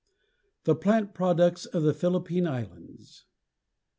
THE PLANT PRODUCTS OF THE PHILIPPINE ISLANDS.